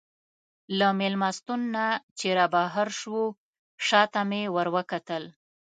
له مېلمستون نه چې رابهر شوو، شا ته مې وروکتل.